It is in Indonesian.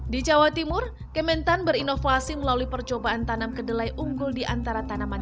di jawa timur kementan berinovasi melalui percobaan tanam kedelai unggul di antara tanaman